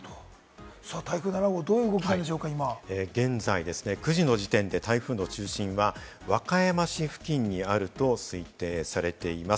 台風７号、どういう動きなん現在９時の時点で台風の中心は和歌山市付近にあると推定されています。